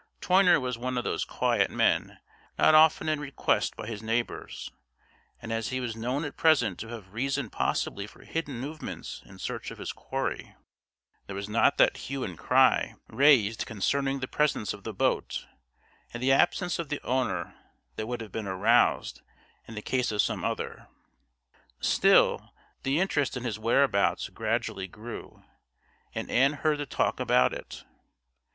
Toyner was one of those quiet men not often in request by his neighbours; and as he was known at present to have reason possibly for hidden movements in search of his quarry, there was not that hue and cry raised concerning the presence of the boat and the absence of the owner that would have been aroused in the case of some other; still, the interest in his whereabouts gradually grew, and Ann heard the talk about it.